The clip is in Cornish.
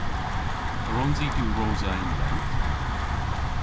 A wrons i diwrosa yn lent?